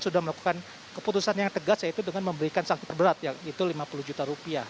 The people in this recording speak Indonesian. sudah melakukan keputusan yang tegas yaitu dengan memberikan sanksi terberat yaitu lima puluh juta rupiah